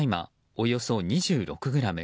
およそ２６ｇ